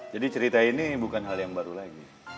jadi cerita ini bukan hal yang baru lagi